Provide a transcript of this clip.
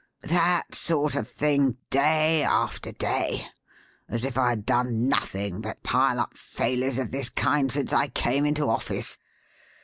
That sort of thing, day after day as if I had done nothing but pile up failures of this kind since I came into office.